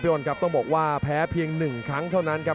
อ้อนครับต้องบอกว่าแพ้เพียง๑ครั้งเท่านั้นครับ